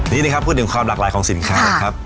นี่นะครับพูดถึงความหลากหลายของสินค้านะครับ